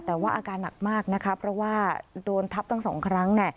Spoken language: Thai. แต่ว่าอาการหนักมากนะคะเพราะว่าโดนทับตั้ง๒ครั้ง